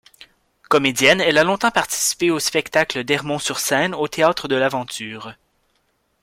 Comédienne, elle a longtemps participé aux spectacles d'Ermont-sur-Scènes au Théâtre de l'Aventure.